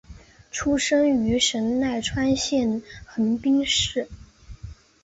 出生于神奈川县横滨市。